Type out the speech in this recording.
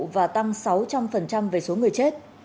và tăng sáu trăm linh về số người chết